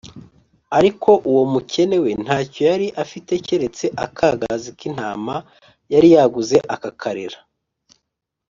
Ariko uwo mukene we nta cyo yari afite keretse akāgazi k’intama yari yaguze akakarera